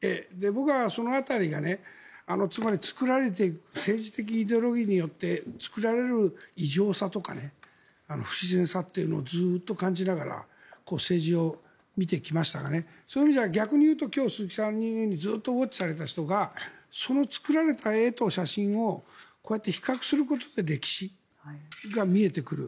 僕はその辺が政治的イデオロギーによって作られる異常さとか不自然さというのをずっと感じながら政治を見てきましたがそういう意味では逆に言うと鈴木さんのようにずっとウォッチされていた人がその作られた絵と写真をこうやって比較することで歴史が見えてくる。